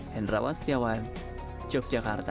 hendra wastiawan yogyakarta